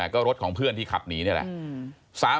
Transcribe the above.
ก็รถของเพื่อนที่ขับหนีนี่แหละ